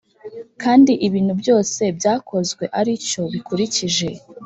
kandi ibintu byose byakozwe ari cyo bikurikije